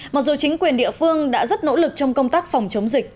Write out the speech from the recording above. mặc dù chính quyền địa phương đã rất nỗ lực trong công tác phòng chống dịch